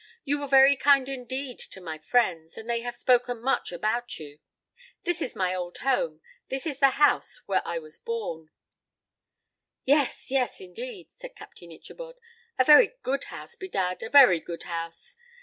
"You were very kind indeed to my friends, and they have spoken much about you. This is my old home; this is the house where I was born." "Yes, yes, indeed," said Captain Ichabod, "a very good house, bedad, a very good house."